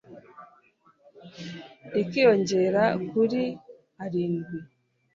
rikiyongera kuri arindwi